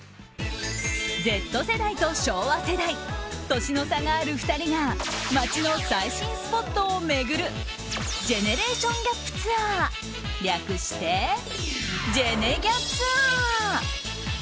Ｚ世代と昭和世代年の差がある２人が街の最新スポットを巡るジェネレーションギャップツアー略してジェネギャツア。